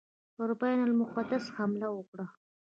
پر بیت المقدس حمله وکړه.